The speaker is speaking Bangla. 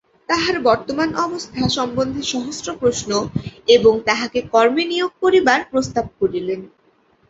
তাহার বর্তমান অবস্থা সম্বন্ধে সহস্র প্রশ্ন এবং আবার তাহাকে কর্মে নিয়োগ করিবার প্রস্তাব করিলেন।